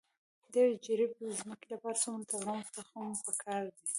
د یو جریب ځمکې لپاره څومره د غنمو تخم پکار دی؟